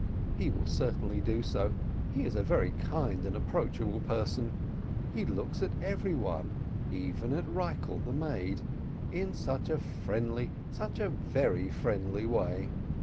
He will certainly do so, he is a very kind and approachable person, he looks at every one, even at Rikel the maid, in such a friendly, such a very friendly way